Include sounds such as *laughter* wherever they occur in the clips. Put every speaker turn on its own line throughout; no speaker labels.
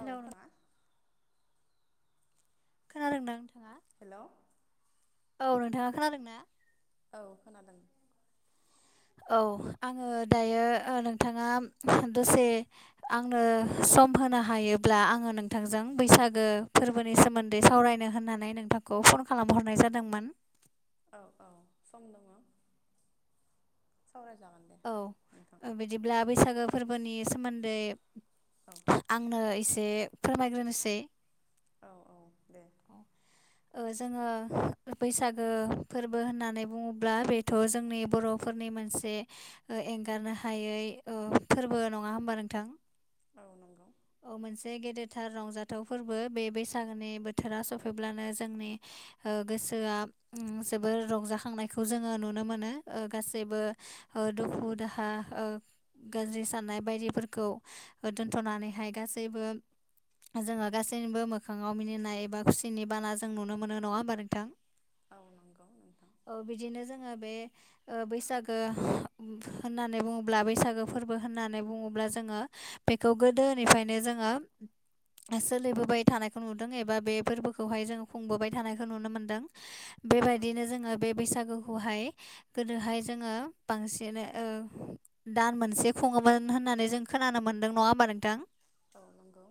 औ खोना
खोनादोंना नोंथाङा?
हेल'
औ नोंथाङा खोनादों ना?
औ खोनादों।
औ आङो दायो ओ-नोंथाङा दसे आंनो सम होनो हायोब्ला आङो नोंथांजों बैसागो फोरबोनि सोमोन दै सावरायनो होननानै नोंथांखौ फन खालामहरनाय जादोंमोन।
औ औ सम दङ सावरायजागोन। दे नोंथां
औ बिदिब्ला ओ-बैसागो फोरबोनि सोमोन्दै
औ
आंनो एसे फोरमायग्रोनोसै
औ औ दे
*inaudible* ओ-जोङो बैसागो फोरबो होननानै बुङोब्ला बेथ' जोंनि बर' फोरनि मोनसे ओ-एंगारनो हायै ओ-फोरबो नङा होमबा नोंथां?
औ नंगौ।
औ मोनसे गेदेरथार रंजाथाव फोरबो बे बैसागोनि बोथोरा सफैब्लानो जोंनि ओ गोसोया जोबोर रंजाखांनायखौ जोङो नुनो मोनो गासैबो ओ दुखु दाहा ओ गाज्रि साननाय बायदिफोरखौ दोनथ'नानैहाय गासैबो जोङो गासैबो मोखाङाव मिनिनाय एबा खुसिनि बाना जों नुनो मोनो नङा होमबा नोंथां।
औ नंगौ नोंथां।
बिदिनो जोङो बे बैसागो होननानै बुङोब्ला बैसागो फोरबो होननानै बुङोब्ला जोङो बेखौ गोदोनिफ्रायनो जोङो सोलिबोबाय थानायखौ नुदों एबा बे फोरबोखौहाय जों खुंबोबाय थानायखौ नुनो मोन्दों।
औ
बेबायदिनो जोङो बे बैसागुखौहाय गोदोहाय जोङो बांसेनो ओ दान मोनसे खुङोमोन होननानै जों खोनानो मोनदों नङा होमबा नोंथां।
गावनांगौ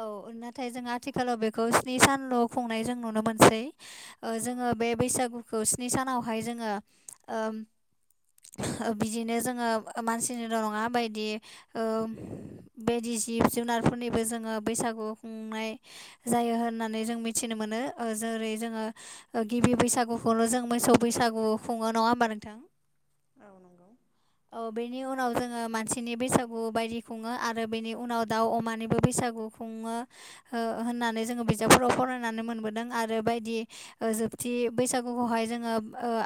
औ नाथाय जों आथिखालाव बेखौ स्नि सानल' खुंनाय जों नुनो मोनसै।
औ
जोङो बे बैसागुखौ स्नि सानावहाय जोङो बिदिनो जोङो मानसिनिल' नङा बायदि बेदि जिब जुनारफोरनिबो जोङो बैसागु खुंनाय जायो होननानै जों मिथिनो मोनो जेरै जोङो गिबि बैसागुखौल' जों मोसौ बैसागु खुङो नङा होमबा नोंथां।
औ नंगौ।
औ बेनि उनाव जोङो मानसिनि बैसागु बायदि खुङो आरो बेनि उनाव दाउ अमानिबो बैसागु सुङो होननानै जोङो बिजाबफोराव फरायनानै मोनबोदों आरो बायदि जोबथि बैसागुखौहाय जोङो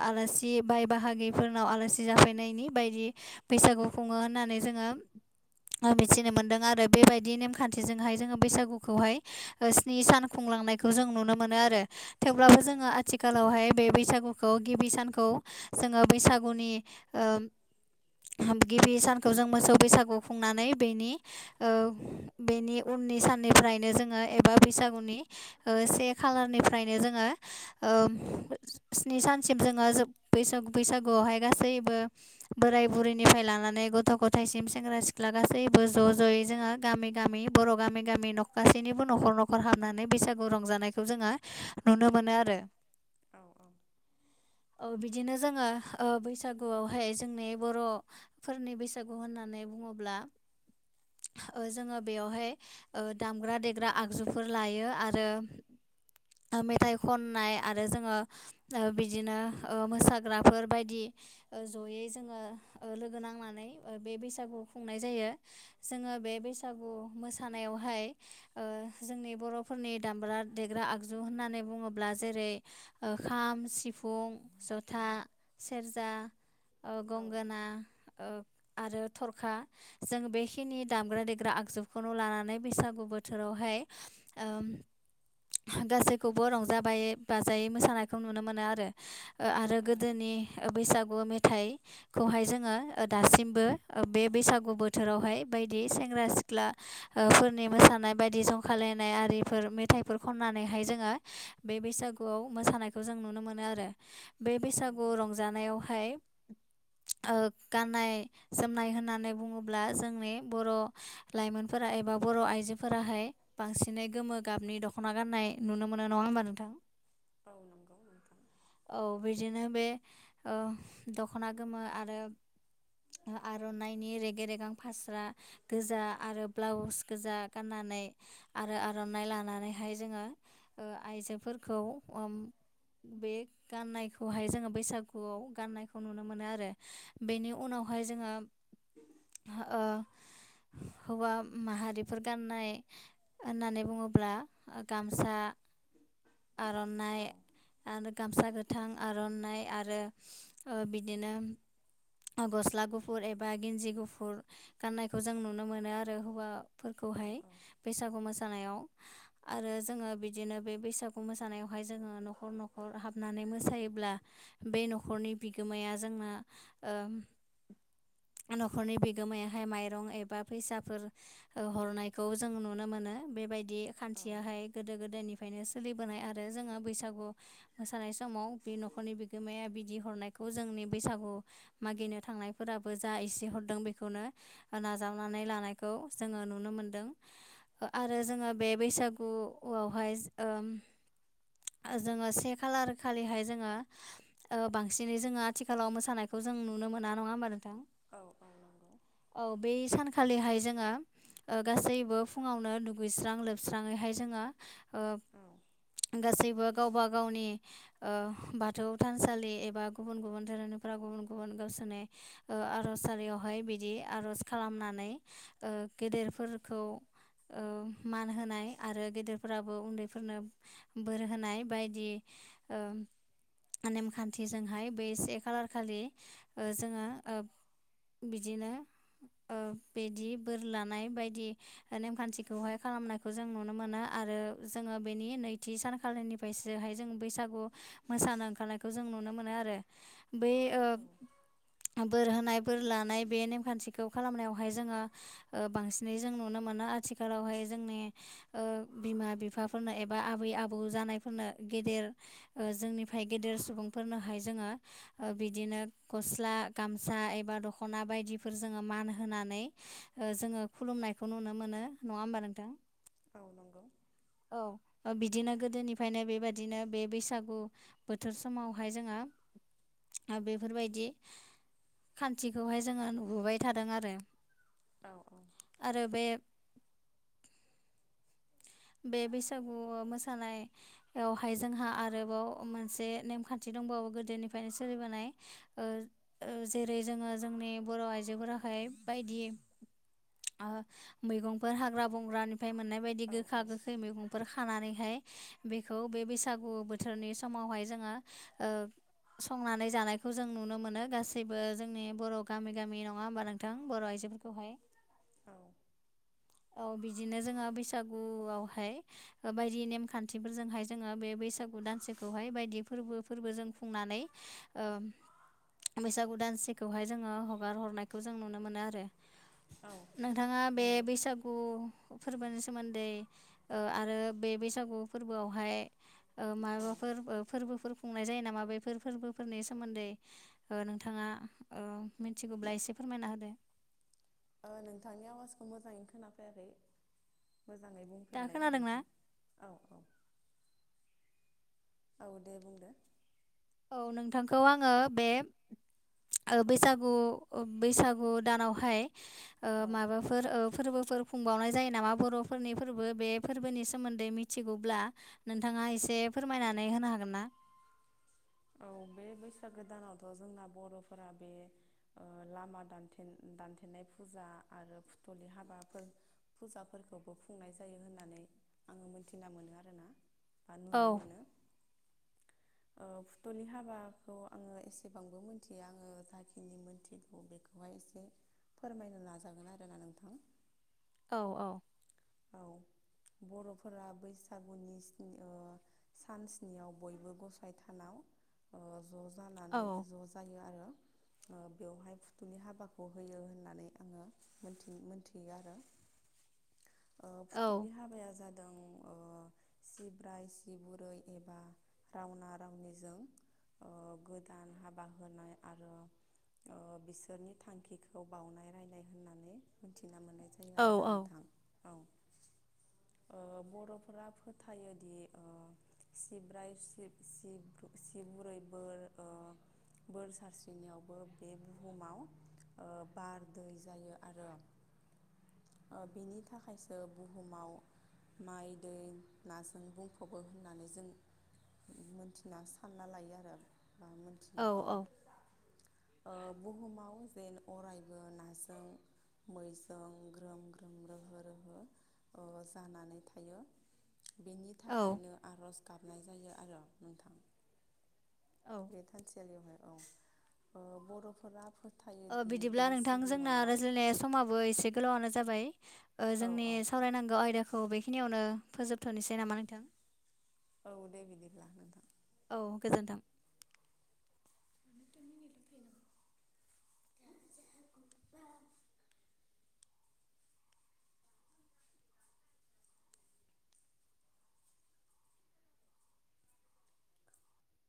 आलासि बाय बाहागिफोर नाव आलासि जाफैनायनि बायदि बैसागु खुङो होननानै जोङो मिथिनो मोनदों आरो बेबायदि नेमखान्थिजोंहाय जोङो बैसागुखौहाय स्नि सान खुंलांनायखौ जों नुनो मोनो आरो। थेवब्लाबो
औ
जोङो आथिखालावहाय बे बैसागुखौ गिबि सानखौ जोङो बैसागु नि गिबि सानखौ जों मोसौ बैसागु खुंनानै बेनि बेनि उननि साननिफ्रायनो जोङो एबा बैसागुनि से खालारनिफ्रायनो जोङो स्नि सानसिम जोङो बैसा बैसागुआवहाय गासैबो बोराय बुरैनिफ्राय लानानै गथ' गथायसिम सेंग्रा सिख्ला गासैबो ज' ज'यै जोंहा गामि गामि बर' गामि गामि गासैनिबो न'खर न'खर हाबनानै बैसागु रंजानायखौ जोङो नुनो मोनो आरो।
औ औ
औ बिदिनो जोङो बैसागुआवहाय जोंनि बर'फोरनि बैसागु होननानै बुङोब्ला जोङो बेयावहाय दामग्रा देग्रा आगजुफोर लायो आरो। मेथाइ खननाय आरो जोङो बिदिनो मोसाग्राफोर बायदि ज'यै जोङो लोगो नांनानै बे बैसागु खुंनाय जायो। जोङो बे बैसागु मोसानायावहाय जोंनि बर' फोरनि दामग्रा देग्रा आगजु होन्नानै बुङोब्ला अब्ला जेरै खाम सिफुं ज'था सेरजा ओ
औ
गंगोना आरो थरखा जों बे खिनि दामग्रा देग्रा आगजुखौनो लानानै बैसागु बोथोरावहाय गासैखौबो रंजाबायै बाजायै मोसानायखौ नुनो मोनो आरो। आरो
औ
गोदोनि बैसागु मेथाइखौहाय जोङो दासिमबो बे बैसागु बोथोरावहाय बायदि सेंग्रा सिख्ला फोरनि मोसानाय बायदि जंखालायनाय आरिफोर मेथाइफोर खननानैहाय जोङो बे बैसागुआव मोसानायखौ जों नुनो मोनो आरो बे
औ
बैसागुआव
नंगौ
रंजानायावहाय ओ गाननाय जोमनाय होननानै बुङोब्ला जोंनि बर' लाइमोनफोरा एबा बर' आइजोफोराहाय बांसिनै गोमो गाबनि दख'ना गाननाय नुनो मोनो नङा होमबा नोंथां।
औ नंगौ नोंथां
औ बिदिनो ओ बे दख'ना गोमो आरो आर'नाइनि रेगे रेगां फास्रा गोजा आरो ब्लाउस गोजा गाननानै आरो आर'नाइ लानानैहाय जोङो ओ आइजोफोरखौ बे गाननायखौहाय जोङो बैसागुआव गाननायखौ नुनो मोनो आरो बेनि उनावहाय जोङो ओ हौवा माहारिफोर गाननाय होननानै बुङोब्ला गामसा आर'नाइ
औ
आरो गामसा गोथां आर'नाइ आरो ओ बिदिनो गस्ला गुफुर एबा गिन्जि गुफुर गाननायखौ जों नुनो मोनो आरो हौवा
औ
फोरखौहाय बैसागु मोसानायाव आरो जोङो बिदिनो बे बैसागु मोसानायावहाय जोङो न'खर नख'र हाबनानै मो सायोब्ला बे न'खरनि बिगोमाया जोंनो ओ न'खरनि बिगोमायाहाय माइरं एबा फैसाफोर ओ हरनायखौ जों नुनो मोनो बेबायदि
औ
खान्थियाहाय गोदो गोदायनिफ्रायनो सोलिबोनाय आरो जोङो बैसागु मोसानाय समाव बे न'खरनि बिगोमाया बिदि हरनायखौ जोंनि बैसागु मागिनो थांनायफोराबो जा एसे हरदों बेखौनो नाजावनानै लानायखौ जोङो नुनो मोनदों आरो जोङो बे बैसागुआवहाय ओम जोङो से खालार खालिहाय जोङो ओ बांसिनै जोङो आथिखालाव मोसानायखौ जों नुनो मोना नङा होमबा नोंथां
औ औ नंगौ
औ बै सानखालिहाय जोङो ओ गासैबो फुङावनो दुगैस्रां लोबस्राङैहाय जोङो ओ
औ
गासैबो गावबा गावनि ओ बाथौ थानसालि एबा गुबुन गुबुन धोरोमनिफ्राव गुबुन गुबुन गावसोरनि ओ आर'ज आरारियावहाय बिदि आर'ज खालामनानै ओ गेदेरफोरखौ ओ मान होनाय आरो गेदेरफोराबो उन्दै फोरनो बोर होनाय बायदि ओ नेमखान्थिजोंहाय बे से खालार खालि ओ जोङो ओ बिदिनो ओ बिदि बोर लानाय बायदि नेमखान्थिखौहाय खालामनायखौ जों नुनो मोनो आरो जोङो बेनि नैथि सानखालिनिफ्रायसोहाय जों बैसागु मोसानो ओंखारनायखौ जों नुनो मोनो आरो बै ओ
औ
बोर होनाय बोर लानाय बे नेमखान्थिखौ खालामनायावहाय जोङो बांसिनै जों नुनो मोना आथिखालावहाय जोंनि ओ बिमा बिफा फोरनो एबा आबै आबौ जानायफोरनो गेदेर ओ जोंनिफ्राय गेदेर सुबुंफोरनोहाय जोङो ओ बिदिनो गस्ला गामसा एबा दख'ना बायदिफोर जोङो मान होनानै जोङो खुलुमनायखौ नुनो मोनो नङा होमबा नोंथां?
औ नंगौ।
औ बिदिनो गोदोनिफ्रायनो बेबायदिनो बे बैसागु बोथोर समावहाय जोङो बेफोरबायदि खान्थिखौहाय जोङो नुबोबाय थादों आरो।
औ औ
आरो बे बे बैसागु मोसानाय बेवहाय जोंहा आरोबाव मोनसे नेमखान्थि दंबावो गोदोनिफ्रायनो सोलिबोनाय ओ ओ जेरै जोङो जोंनि बर' आइजोफोरा हाय बायदि ओ मैगंफोर हाग्रा बंग्रानिफ्राय मोननाय बायदि
औ
गो खै मैगंफोर खानानै हाय बेखौ बे बैसागु बोथोरनि समावहाय जोङो ओ संनानै जानायखौ जों नुनो मोनो गासैबो जोंनि बर' गामि गामि नङा होमबा नों थां बर' आइजोफोरखौ हाय?
औ
औ बिदिनो जोंहा बैसागुआव हाय ओ बायदि नेमखान्थिफोरजों हाय जोङो बे बैसागु दानसेखौ हाय बायदि फोरबो फोरबो जों खुंनानै ओ बैसागु दानसेखौ हाय जोङो हगार हरनायखौ जों नुनो मोनो आरो। नोंथाङा
औ
बे
नंगौ
बैसाग गु फोरबोनि सोमोन्दै ओ आरो बे बैसागु फोरबोआव हाय ओ
औ
माबाफोर ओ फोरबोफोर खुंनाय जायो नामा बेफोर फोरबोफोरनि सोमोन्दै ओ नोंथाङा ओ मिथिगौब्ला एसे फोरमायना होदो।
ओ‌ नोंथांनि आवाजखौ मोजाङैनो खोनाफैयाखै मोजाङै
दा
बुंफिनलाय
खोनादोंना
नोंथां। औ औ औ दे बुंदो।
औ नोंथांखौ आङो बे ओ
औ
बैसागु बैसागु दानाव हाय ओ
औ
माबा फोर ओ फोरबोफोर खुंबावनाय जायो नामा बर'फोरनि फोरबो बे फोरबोनि सोमोन्दै मिथिगौब्ला नोंथाङा एसे फोरमायनानै होनो हागोन ना?
औ बे बैसागो दानावथ' जोंना बर'फोरा बे ओ लामा दानथेन दानथेनाय फुजा आरो फुथुलि हाबाफोर फुजाफोरखौबो खुंनाय जायो होननानै आङो मोनथिना मोनो आरो ना। बा
औ
नुनो मोनो ओ फु थुलि हाबाखौ आङो एसेबांबो मोनथिया आङो जाखिनि मोनथिगौ बेखौ हाय एसे फोरमायनो नाजागोन आरो ना नोंथां।
औ औ
औ बर'फोरा बैसागुनि स्नि ओ सान स्नियाव बयबो गसाइ थानाव ओ ज' ज' जानानै
औ
ज' जायो आरो। ओ बेवहाय फुथुलि हाबाखौ होयो होननानै आङो मोनथि मोनथियो आरो। ओ‌
औ
फुथुलि हाबाया जाद दों ओ सिब्राय सि बुरै एबा रावना रावनिजों ओ गोदान हाबा होनाय आरो ओ बिसोरनि थांखिखौ बावनाय रायनाय होननानै मिथिना मोननाय जाय थायो
औ
आरो ना‌ नोंथां औ ओ बर'फोरा फोथायोदि ओ सिब्राय सिब सिब्रु सिब बुरै बोर ओ बोर सारस्रिनायावबो बे बुहुमाव ओ बार दै जायो आरो।
*inaudible*
ओ बिनि थाखायसो बुहुमाव माइ दै नाजों बुंफबो होननानै जों मोनथिना सानना लायो आरो बा मोनथियो औ ओ बुहुमाव जेन अरायबो नाजों मैसं ग्रोम ग्रोम रोहोर ओहो अ जानानै थायो बेनि
औ
थाखायनो आरज गाबनाय जायो आरो नोंथां
औ
बे थानसायालियावहाय औ ओ बर'फोरा फो-
ओ बिदिब्ला नोंथां जोंना रायज्लायनाय समाबो एसे गोलावानो जाबाय
औ
जोंनि
औ
सावरायनांगौ आयदाखौ बेखिनियावनो फोजोबथ'नोसै नामा नोंथां
औ दे बिदिब्ला नोंथां
औ गोजोनथों
*unintelligible*